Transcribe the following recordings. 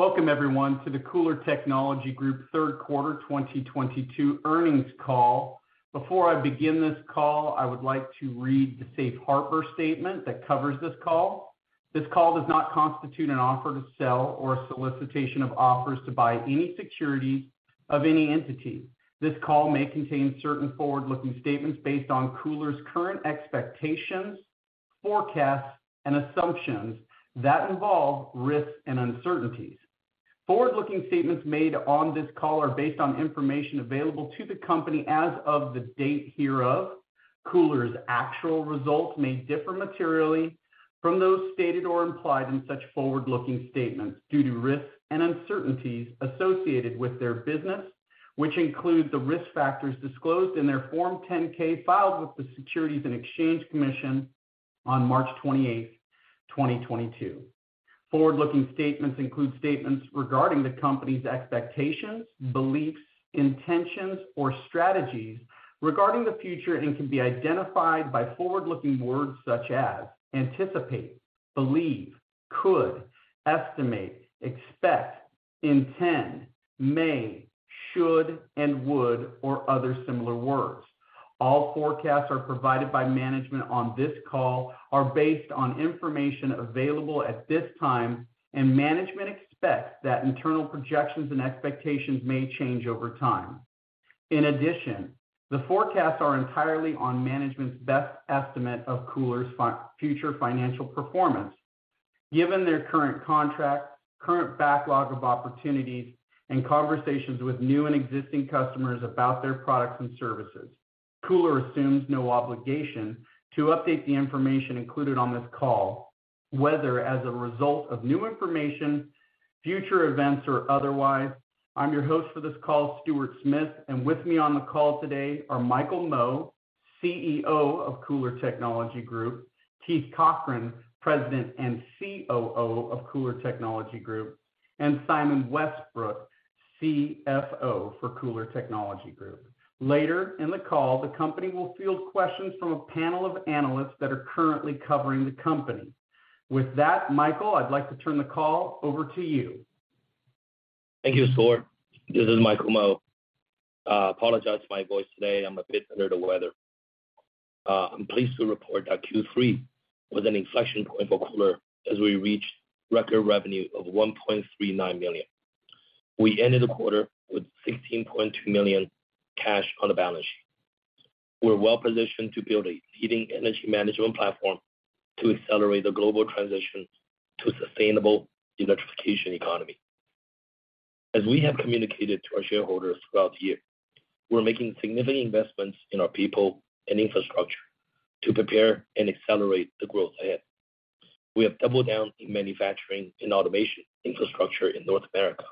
Welcome everyone to the KULR Technology Group third quarter 2022 earnings call. Before I begin this call, I would like to read the safe harbor statement that covers this call. This call does not constitute an offer to sell or a solicitation of offers to buy any security of any entity. This call may contain certain forward-looking statements based on KULR's current expectations, forecasts, and assumptions that involve risks and uncertainties. Forward-looking statements made on this call are based on information available to the company as of the date hereof. KULR's actual results may differ materially from those stated or implied in such forward-looking statements due to risks and uncertainties associated with their business, which include the risk factors disclosed in their Form 10-K filed with the Securities and Exchange Commission on March 28, 2022. Forward-looking statements include statements regarding the company's expectations, beliefs, intentions, or strategies regarding the future and can be identified by forward-looking words such as anticipate, believe, could, estimate, expect, intend, may, should, and would, or other similar words. All forecasts provided by management on this call are based on information available at this time, and management expects that internal projections and expectations may change over time. In addition, the forecasts are entirely on management's best estimate of KULR's future financial performance. Given their current contracts, current backlog of opportunities, and conversations with new and existing customers about their products and services, KULR assumes no obligation to update the information included on this call, whether as a result of new information, future events, or otherwise. I'm your host for this call, Stuart Smith, and with me on the call today are Michael Mo, CEO of KULR Technology Group, Keith Cochran, President and COO of KULR Technology Group, and Simon Westbrook, CFO for KULR Technology Group. Later in the call, the company will field questions from a panel of analysts that are currently covering the company. With that, Michael, I'd like to turn the call over to you. Thank you, Stuart. This is Michael Mo. I apologize for my voice today. I'm a bit under the weather. I'm pleased to report that Q3 was an inflection point for KULR as we reached record revenue of $1.39 million. We ended the quarter with $16.2 million cash on the balance sheet. We're well-positioned to build a leading energy management platform to accelerate the global transition to a sustainable electrification economy. As we have communicated to our shareholders throughout the year, we're making significant investments in our people and infrastructure to prepare and accelerate the growth ahead. We have doubled down in manufacturing and automation infrastructure in North America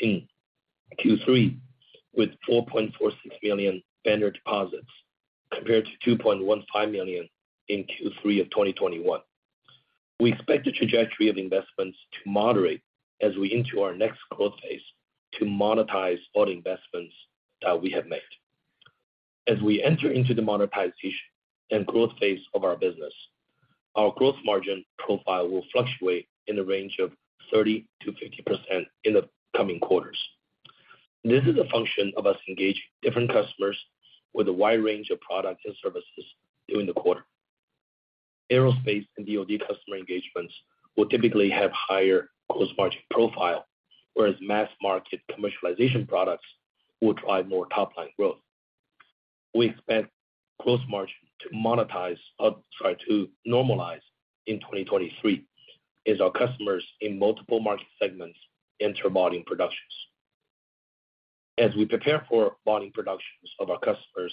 in Q3 with $4.46 million standard deposits compared to $2.15 million in Q3 of 2021. We expect the trajectory of investments to moderate as we enter our next growth phase to monetize all the investments that we have made. As we enter into the monetization and growth phase of our business, our growth margin profile will fluctuate in the range of 30%-50% in the coming quarters. This is a function of us engaging different customers with a wide range of products and services during the quarter. Aerospace and DoD customer engagements will typically have higher gross margin profile, whereas mass market commercialization products will drive more top-line growth. We expect gross margin to monetize or try to normalize in 2023 as our customers in multiple market segments enter volume productions. As we prepare for volume productions of our customers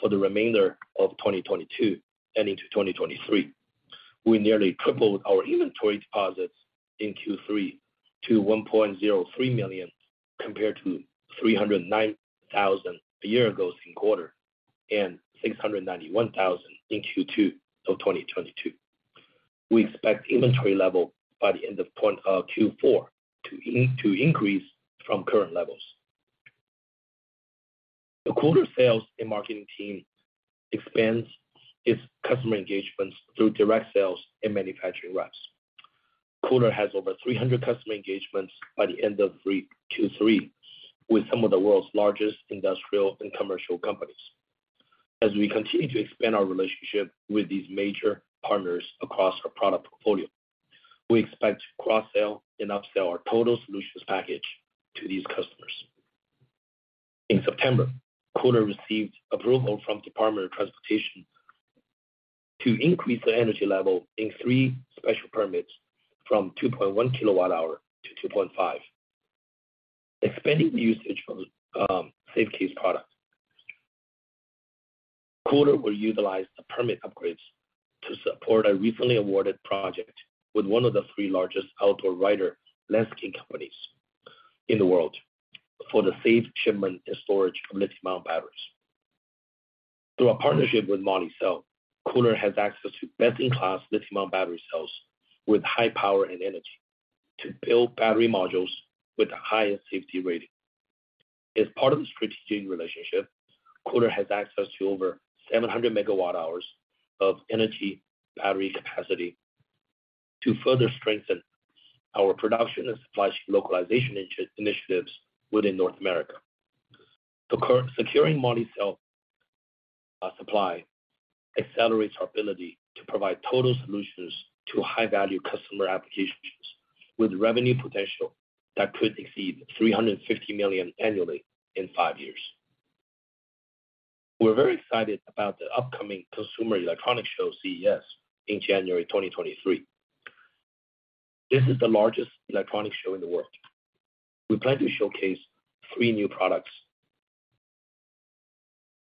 for the remainder of 2022 and into 2023, we nearly tripled our inventory deposits in Q3 to $1.03 million, compared to $309 thousand a year ago same quarter, and $691 thousand in Q2 of 2022. We expect inventory level by the end of Q4 to increase from current levels. The KULR sales and marketing team expands its customer engagements through direct sales and manufacturing reps. KULR has over 300 customer engagements by the end of Q3 with some of the world's largest industrial and commercial companies. As we continue to expand our relationship with these major partners across our product portfolio, we expect to cross-sell and up-sell our total solutions package to these customers. In September, KULR received approval from U.S. Department of Transportation to increase the energy level in three special permits from 2.1 kWh to 2.5 kWh. Expanding the usage from SafeCASE products. KULR will utilize the permit upgrades to support a recently awarded project with one of the three largest outdoor rider leasing companies in the world for the safe shipment and storage of lithium-ion batteries. Through our partnership with Molicel, KULR has access to best-in-class lithium-ion battery cells with high power and energy to build battery modules with the highest safety rating. As part of the strategic relationship, KULR has access to over 700 MWh of energy battery capacity to further strengthen our production and supply chain localization initiatives within North America. Acquiring Molicel supply accelerates our ability to provide total solutions to high value customer applications with revenue potential that could exceed $350 million annually in five years. We're very excited about the upcoming Consumer Electronics Show, CES, in January 2023. This is the largest electronics show in the world. We plan to showcase three new products.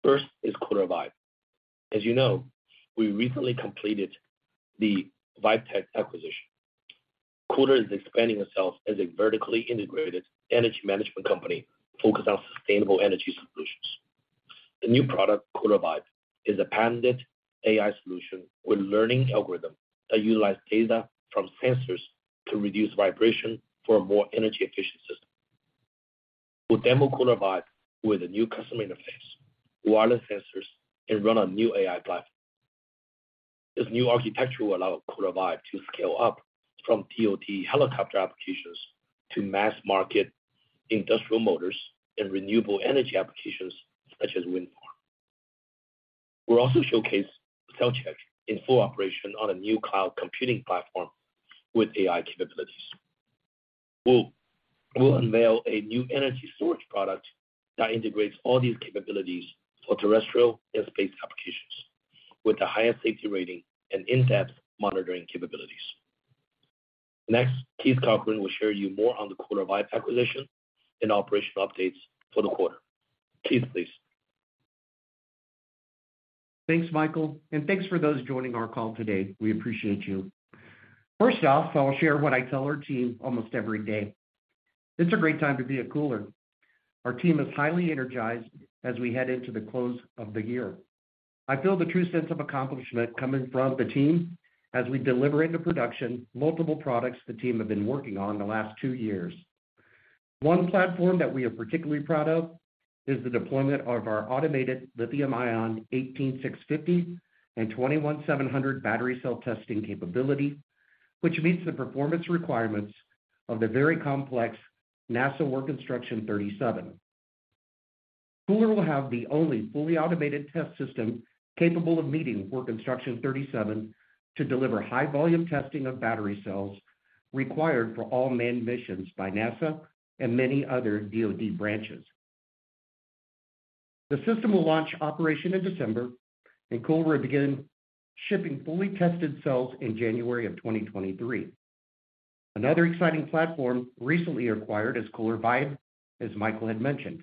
First is KULR VIBE. As you know, we recently completed the VibeTech acquisition. KULR is expanding itself as a vertically integrated energy management company focused on sustainable energy solutions. The new product, KULR VIBE, is a patented AI solution with learning algorithm that utilize data from sensors to reduce vibration for a more energy efficient system. We'll demo KULR VIBE with a new custom interface, wireless sensors, and run on new AI platform. This new architecture will allow KULR VIBE to scale up from eVTOL helicopter applications to mass market industrial motors and renewable energy applications such as wind farm. We'll also showcase CellCheck in full operation on a new cloud computing platform with AI capabilities. We'll unveil a new energy storage product that integrates all these capabilities for terrestrial and space applications with the highest safety rating and in-depth monitoring capabilities. Next, Keith Cochran will share with you more on the KULR VIBE acquisition and operational updates for the quarter. Keith, please. Thanks, Michael, and thanks for those joining our call today. We appreciate you. First off, I'll share what I tell our team almost every day. It's a great time to be at KULR. Our team is highly energized as we head into the close of the year. I feel the true sense of accomplishment coming from the team as we deliver into production multiple products the team have been working on the last two years. One platform that we are particularly proud of is the deployment of our automated lithium-ion 18650 and 21700 battery cell testing capability, which meets the performance requirements of the very complex NASA Work Instruction 37. KULR will have the only fully automated test system capable of meeting Work Instruction 37 to deliver high-volume testing of battery cells required for all manned missions by NASA and many other DoD branches. The system will launch operation in December, and KULR will begin shipping fully tested cells in January of 2023. Another exciting platform recently acquired is KULR VIBE, as Michael had mentioned.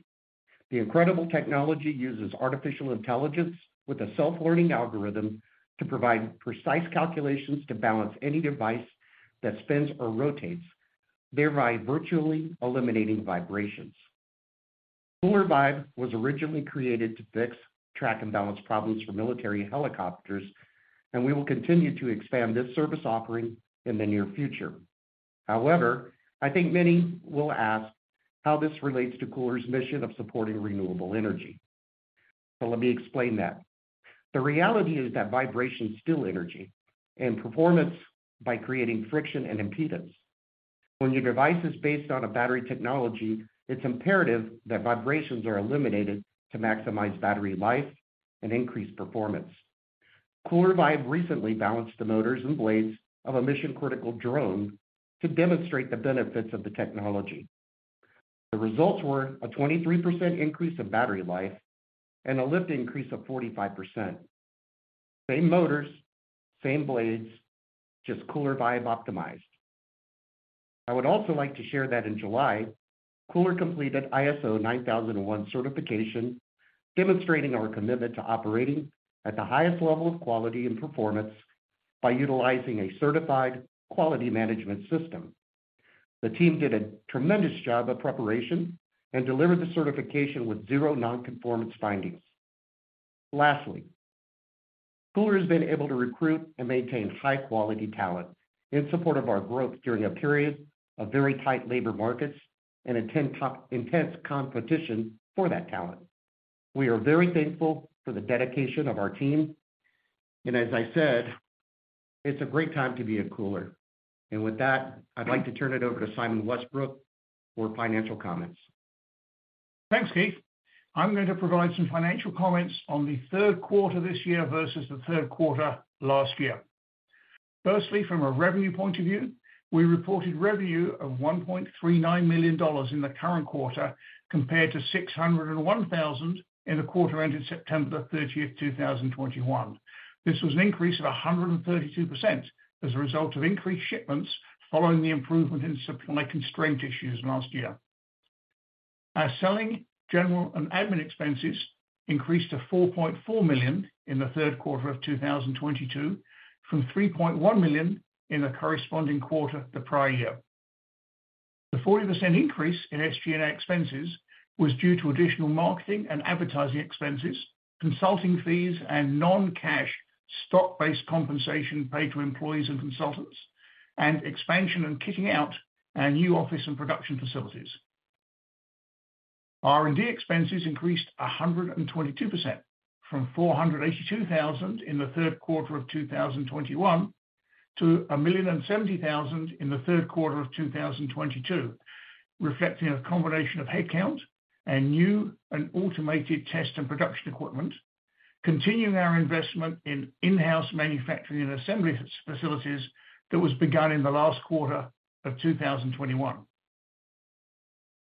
The incredible technology uses artificial intelligence with a self-learning algorithm to provide precise calculations to balance any device that spins or rotates, thereby virtually eliminating vibrations. KULR VIBE was originally created to fix track and balance problems for military helicopters, and we will continue to expand this service offering in the near future. However, I think many will ask how this relates to KULR's mission of supporting renewable energy. Let me explain that. The reality is that vibrations steal energy and performance by creating friction and impedance. When your device is based on a battery technology, it's imperative that vibrations are eliminated to maximize battery life and increase performance. KULR VIBE recently balanced the motors and blades of a mission-critical drone to demonstrate the benefits of the technology. The results were a 23% increase of battery life and a lift increase of 45%. Same motors, same blades, just KULR VIBE optimized. I would also like to share that in July, KULR completed ISO 9001 certification, demonstrating our commitment to operating at the highest level of quality and performance by utilizing a certified quality management system. The team did a tremendous job of preparation and delivered the certification with zero non-conformance findings. Lastly, KULR has been able to recruit and maintain high quality talent in support of our growth during a period of very tight labor markets and intense competition for that talent. We are very thankful for the dedication of our team, and as I said, it's a great time to be at KULR. With that, I'd like to turn it over to Simon Westbrook for financial comments. Thanks, Keith. I'm going to provide some financial comments on the third quarter this year versus the third quarter last year. Firstly, from a revenue point of view, we reported revenue of $1.39 million in the current quarter compared to $601 thousand in the quarter ending September thirtieth, 2021. This was an increase of 132% as a result of increased shipments following the improvement in supply constraint issues last year. Our selling, general, and admin expenses increased to $4.4 million in the third quarter of 2022, from $3.1 million in the corresponding quarter the prior year. The 40% increase in SG&A expenses was due to additional marketing and advertising expenses, consulting fees, and non-cash stock-based compensation paid to employees and consultants, and expansion and fitting out our new office and production facilities. R&D expenses increased 122% from $482 thousand in the third quarter of 2021 to $1.07 million in the third quarter of 2022, reflecting a combination of headcount and new and automated test and production equipment, continuing our investment in in-house manufacturing and assembly facilities that was begun in the last quarter of 2021.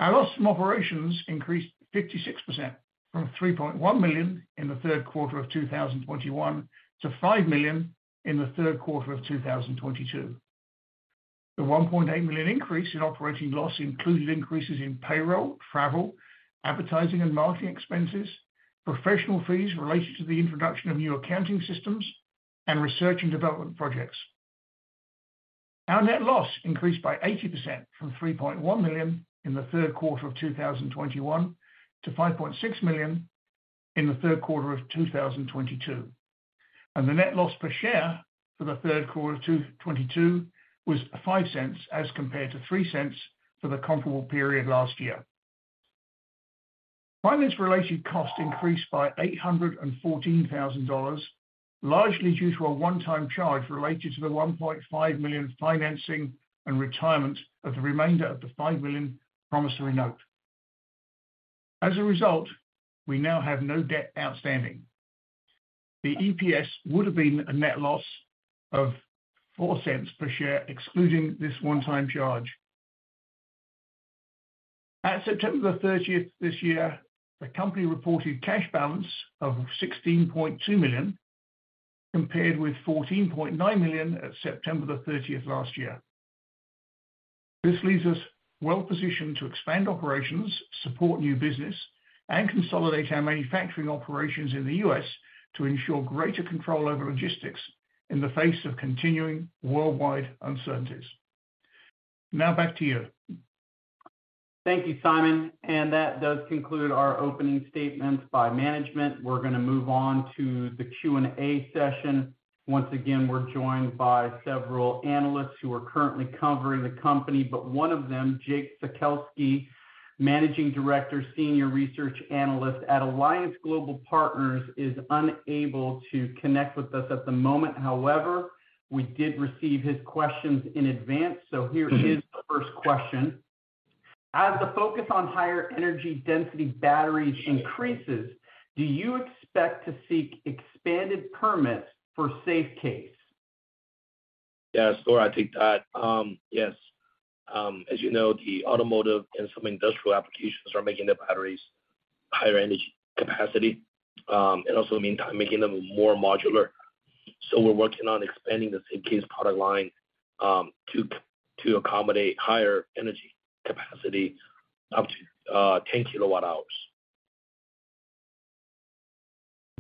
Our loss from operations increased 56% from $3.1 million in the third quarter of 2021 to $5 million in the third quarter of 2022. The $1.8 million increase in operating loss included increases in payroll, travel, advertising and marketing expenses, professional fees related to the introduction of new accounting systems and research and development projects. Our net loss increased by 80% from $3.1 million in the third quarter of 2021 to $5.6 million in the third quarter of 2022. The net loss per share for the third quarter of 2022 was $0.05 as compared to $0.03 for the comparable period last year. Finance-related costs increased by $814,000, largely due to a one-time charge related to the $1.5 million financing and retirement of the remainder of the $5 million promissory note. As a result, we now have no debt outstanding. The EPS would have been a net loss of $0.04 per share, excluding this one-time charge. At September 30 this year, the company reported cash balance of $16.2 million, compared with $14.9 million at September 30 last year. This leaves us well-positioned to expand operations, support new business, and consolidate our manufacturing operations in the U.S. to ensure greater control over logistics in the face of continuing worldwide uncertainties. Now back to you. Thank you, Simon, and that does conclude our opening statements by management. We're gonna move on to the Q&A session. Once again, we're joined by several analysts who are currently covering the company, but one of them, Jake Sekelsky, Managing Director, Senior Research Analyst at Alliance Global Partners, is unable to connect with us at the moment. However, we did receive his questions in advance, so here is his first question. As the focus on higher energy density batteries increases, do you expect to seek expanded permits for SafeCASE? Yes, Stuart, I take that. As you know, the automotive and some industrial applications are making the batteries higher energy capacity, and also meantime making them more modular. We're working on expanding the SafeCASE product line to accommodate higher energy capacity up to 10 kWh.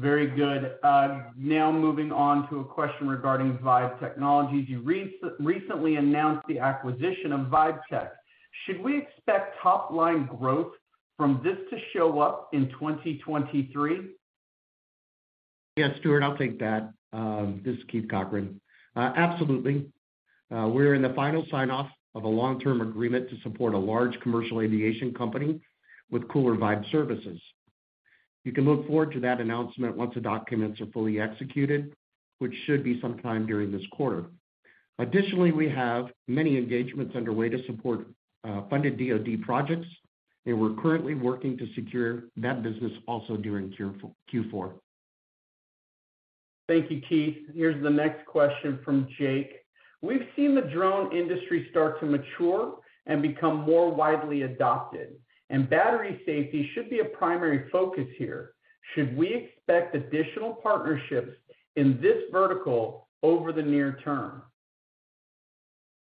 Very good. Now moving on to a question regarding Vibe Technology. You recently announced the acquisition of VibeTech. Should we expect top-line growth from this to show up in 2023? Yeah, Stuart, I'll take that. This is Keith Cochran. Absolutely. We're in the final sign-off of a long-term agreement to support a large commercial aviation company with KULR Vibe services. You can look forward to that announcement once the documents are fully executed, which should be sometime during this quarter. Additionally, we have many engagements underway to support funded DoD projects, and we're currently working to secure that business also during Q4. Thank you, Keith. Here's the next question from Jake. We've seen the drone industry start to mature and become more widely adopted, and battery safety should be a primary focus here. Should we expect additional partnerships in this vertical over the near term?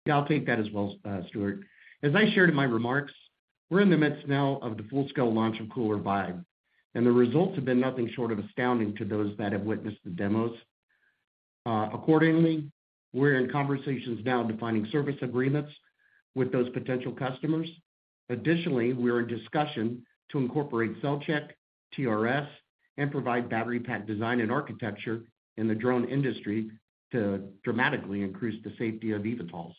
Yeah, I'll take that as well, Stuart. As I shared in my remarks, we're in the midst now of the full-scale launch of KULR VIBE, and the results have been nothing short of astounding to those that have witnessed the demos. Accordingly, we're in conversations now defining service agreements with those potential customers. Additionally, we're in discussion to incorporate CellCheck, TRS, and provide battery pack design and architecture in the drone industry to dramatically increase the safety of eVTOLs.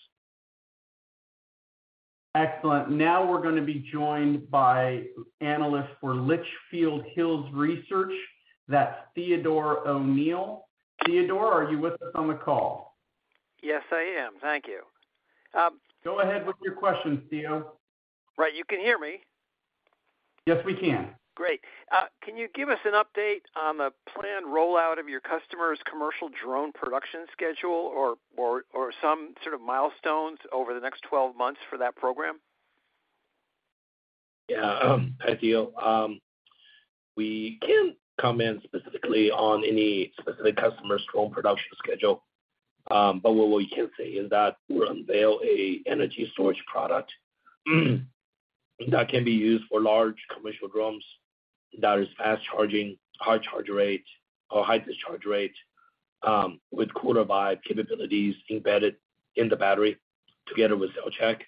Excellent. Now we're gonna be joined by Analyst for Litchfield Hills Research. That's Theodore O'Neill. Theodore, are you with us on the call? Yes, I am. Thank you. Go ahead with your questions, Theo. Right. You can hear me? Yes, we can. Great. Can you give us an update on the planned rollout of your customer's commercial drone production schedule or some sort of milestones over the next 12 months for that program? Hi, Theo. We can't comment specifically on any specific customer's drone production schedule. What we can say is that we unveil an energy storage product that can be used for large commercial drones that is fast charging, high charge rate or high discharge rate, with KULR VIBE capabilities embedded in the battery together with CellCheck,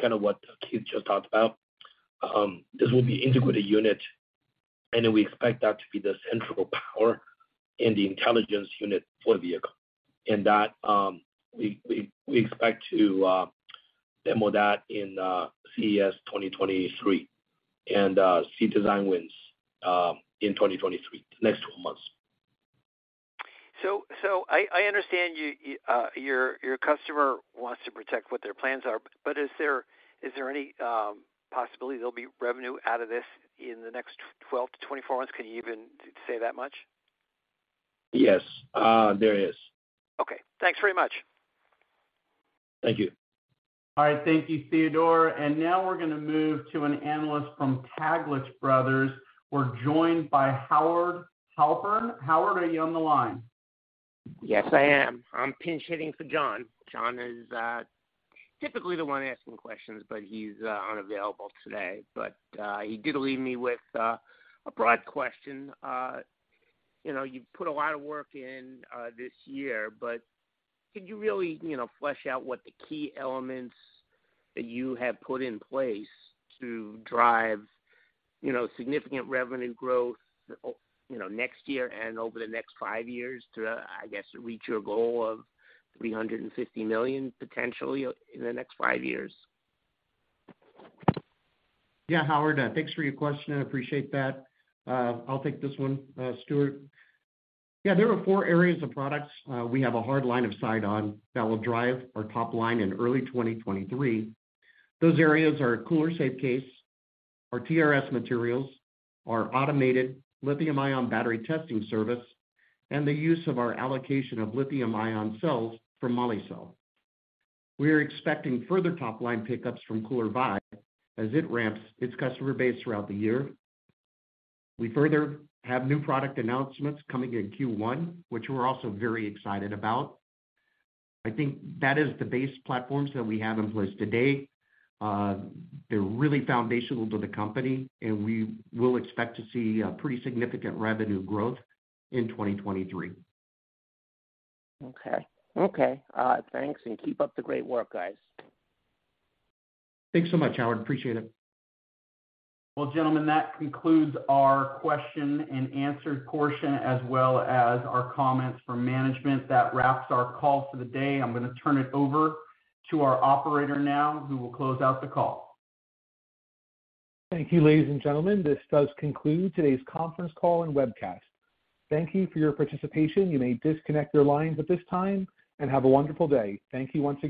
kinda what Keith just talked about. This will be integrated unit, and then we expect that to be the central power in the intelligence unit for the vehicle. That we expect to demo that in CES 2023 and see design wins in 2023, next twelve months. I understand you your customer wants to protect what their plans are, but is there any possibility there'll be revenue out of this in the next 12-24 months? Can you even say that much? Yes. There is. Okay. Thanks very much. Thank you. All right. Thank you, Theodore. Now we're gonna move to an analyst from Taglich Brothers. We're joined by Howard Halpern. Howard, are you on the line? Yes, I am. I'm pinch-hitting for John. John is typically the one asking questions, but he's unavailable today. He did leave me with a broad question. You know, you've put a lot of work in this year, but can you really, you know, flesh out what the key elements that you have put in place to drive, you know, significant revenue growth, you know, next year and over the next five years to, I guess, reach your goal of $350 million potentially in the next five years? Yeah, Howard, thanks for your question. I appreciate that. I'll take this one, Stuart. Yeah, there are four areas of products we have a hard line of sight on that will drive our top line in early 2023. Those areas are KULR SafeCASE, our TRS materials, our automated lithium-ion battery testing service, and the use of our allocation of lithium-ion cells from Molicel. We are expecting further top-line pickups from KULR VIBE as it ramps its customer base throughout the year. We further have new product announcements coming in Q1, which we're also very excited about. I think that is the base platforms that we have in place today. They're really foundational to the company, and we will expect to see a pretty significant revenue growth in 2023. Okay. Thanks, and keep up the great work, guys. Thanks so much, Howard. Appreciate it. Well, gentlemen, that concludes our question and answer portion as well as our comments from management. That wraps our call for the day. I'm gonna turn it over to our operator now who will close out the call. Thank you, ladies and gentlemen. This does conclude today's conference call and webcast. Thank you for your participation. You may disconnect your lines at this time, and have a wonderful day. Thank you once again.